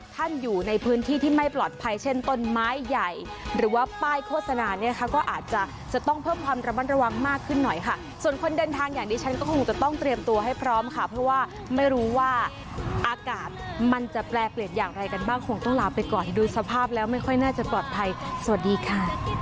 ทางอย่างนี้ฉันคงจะต้องเตรียมตัวให้พร้อมค่ะเพราะว่าไม่รู้ว่าอากาศมันจะแปลเปลี่ยนอย่างไรกันบ้างคงต้องลาไปก่อนดูสภาพแล้วไม่ค่อยน่าจะปลอดภัยสวัสดีค่ะ